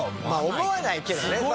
まあ思わないけどね。